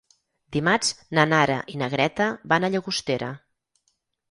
Dimarts na Nara i na Greta van a Llagostera.